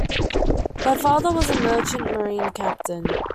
Her father was a merchant marine captain.